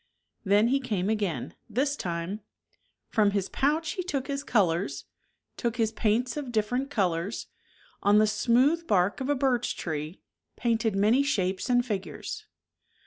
Then he came again. This time From his pouch he took his colors. Took his paints of different colors, On the smooth bark of a birch tree Painted many shapes and figures.